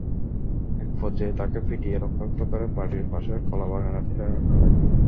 একপর্যায়ে তাঁকে পিটিয়ে রক্তাক্ত করে বাড়ির পাশের কলাবাগানে ফেলে রাখা হয়।